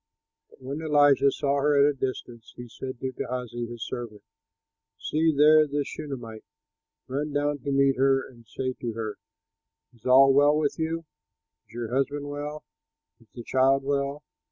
But when Elisha saw her at a distance, he said to Gehazi, his servant, "See, there is the Shunamite! Run down to meet her and say to her, 'Is all well with you? Is your husband well? Is the child well?'"